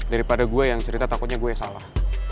daripada gue yang cerita takutnya gue salah